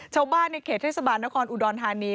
ชาวบ้านในเขตเทศบาลนครอุดรธานี